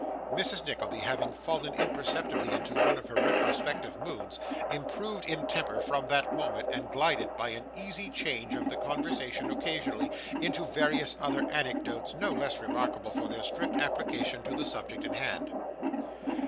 Mrs. Nickleby having fallen imperceptibly into one of her retrospective moods, improved in temper from that moment, and glided, by an easy change of the conversation occasionally, into various other anecdotes, no less remarkable for their strict application to the subject in hand.